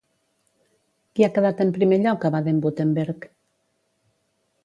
Qui ha quedat en primer lloc a Baden-Württemberg?